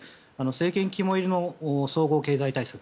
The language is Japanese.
政権肝いりの総合経済対策。